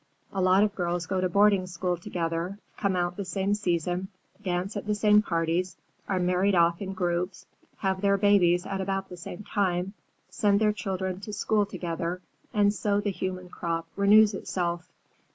A lot of girls go to boarding school together, come out the same season, dance at the same parties, are married off in groups, have their babies at about the same time, send their children to school together, and so the human crop renews itself.